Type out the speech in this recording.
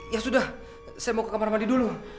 ya sudah saya mau ke kamar mandi dulu